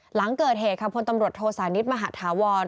หลังเกิดเหตุค่ะพลตำรวจโทษานิทมหาธาวร